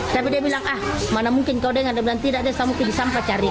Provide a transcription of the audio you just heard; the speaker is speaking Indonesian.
tapi dia bilang ah mana mungkin kau dengar dia bilang tidak ada sampah disampah cari